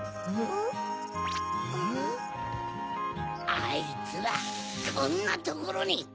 あいつらこんなところに！